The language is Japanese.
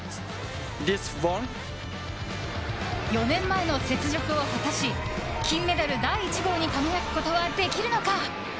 ４年前の雪辱を果たし金メダル第１号に輝くことはできるのか？